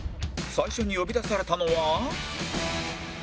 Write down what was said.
最初に呼び出されたのは